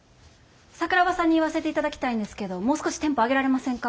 桜庭さんに言わせていただきたいんですけどもう少しテンポ上げられませんか？